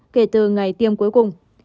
kể từ ngày tiêm cuối cùng